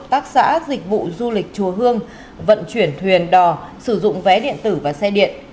hợp tác xã dịch vụ du lịch chùa hương vận chuyển thuyền đò sử dụng vé điện tử và xe điện